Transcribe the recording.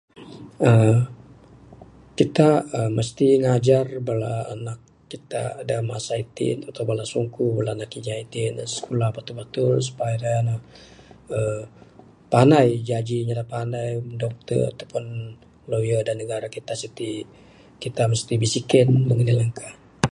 uhh kita uhh mesti ngajar bala anak kita da masa itin ato bala sungkuh bala inya itin sikulah batul-batul supaya uhh panai jaji inya da panai dokter atopun lawyer da negara kita siti. Kita mesti bisiken mung anih langkah.